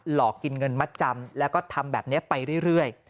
หลอกกินเงินมัดจำแล้วก็ทำแบบนี้ไปเรื่อย